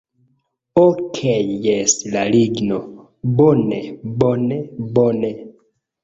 Okej jes la ligno... bone, bone, bone